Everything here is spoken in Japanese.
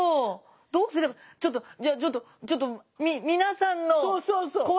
どうすればちょっとじゃあちょっとちょっとみみなさんの怖い体験談。